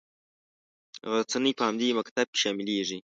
غرڅنۍ په همدې مکتب کې شاملیږي.